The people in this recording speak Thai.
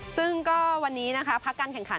ซึ่งก็วันนี้นะคะพักการแข่งขัน